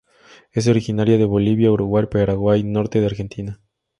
Es originaria de Bolivia, Uruguay, Paraguay, norte de Argentina.